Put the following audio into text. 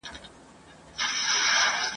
نوې ورځ نوی هیواد سي نوي نوي پلټنونه !.